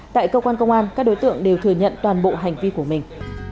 tại cơ quan công an các đối tượng đều thừa nhận toàn bộ hành vi của mình